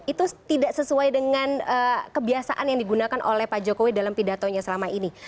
itu tidak sesuai dengan kebiasaan yang digunakan oleh pak jokowi dalam pidatonya selama ini